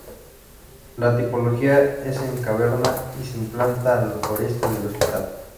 La tipología es en caverna, y se implanta al Oeste del Hospital.